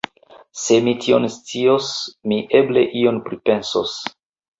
Se mi tion scios, mi eble ion pripensos.